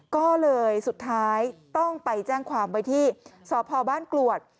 ก็เลยสุดท้ายต้องไปแจ้งความไว้ที่สพบ้านกรวด